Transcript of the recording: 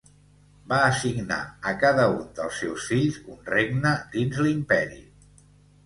Va assignar a cada un dels seus fills un regne dins l'Imperi.